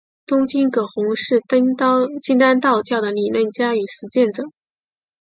东晋葛洪是金丹道教的理论家与实践者。